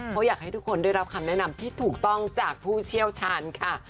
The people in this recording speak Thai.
เพราะอยากให้ทุกคนได้รับคำแนะนำที่ถูกต้องจากผู้เชี่ยวชาญค่ะ